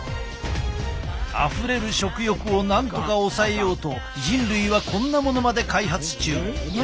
あふれる食欲をなんとか抑えようと人類はこんなものまで開発中。